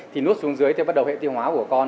thì nốt xuống dưới thì bắt đầu hệ tiêu hóa của con